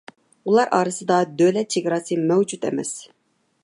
ئۇلار ئارىسىدا دۆلەت چېگراسى مەۋجۇت ئەمەس.